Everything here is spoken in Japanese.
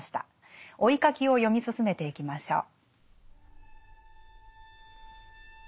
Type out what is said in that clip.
「追ひ書き」を読み進めていきましょう。